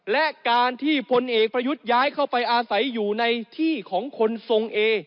และการที่พลเอกประยุทธ์ย้ายเข้าไปอาศัยอยู่ในที่ของคนทรงเอ